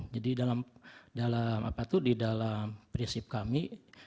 jadi dalam prinsip kami